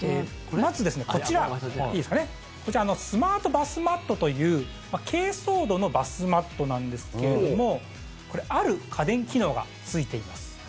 まず、こちらスマートバスマットという珪藻土のバスマットなんですけれどもこれ、ある家電機能がついています。